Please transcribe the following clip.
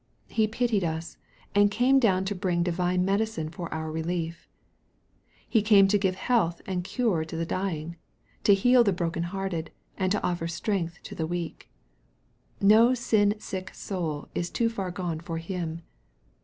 He pitied us, and came down to bring divine medicine for our relief. He came to give health and cure to the dying, to heal the broken hearted, and to offer strength to the weak. No sin sick soul is too far gone for Him.